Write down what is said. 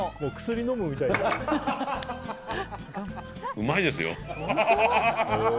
うまいですよ。